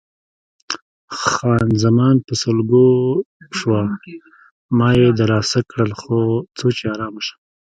خان زمان په سلګو شوه، ما یې دلاسا کړل څو چې آرامه شوه.